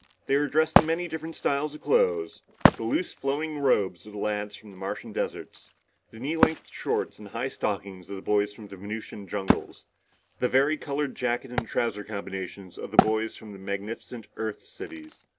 They were dressed in many different styles of clothes; the loose flowing robes of the lads from the Martian deserts; the knee length shorts and high stockings of the boys from the Venusian jungles; the vari colored jacket and trouser combinations of the boys from the magnificent Earth cities.